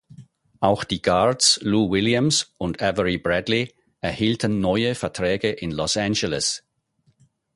Auch die Guards Lou Williams und Avery Bradley erhielten neue Verträge in Los Angeles.